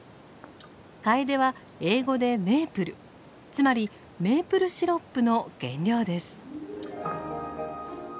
カエデは英語でメープルつまりメープルシロップの原料です。